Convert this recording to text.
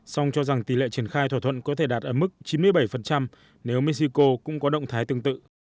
song cho rằng tỷ lệ triển khai thỏa thuận có thể đạt ở mức chín mươi bảy nếu mexico cũng có động thái tương tự